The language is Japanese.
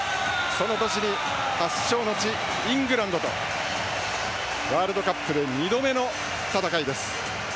その年に、発祥の地イングランドとワールドカップで２度目の戦いです。